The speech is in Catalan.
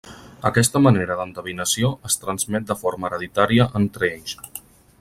Aquesta manera d'endevinació es transmet de forma hereditària entre ells.